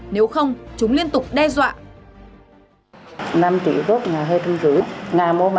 nếu không chúng liên tục đe dọa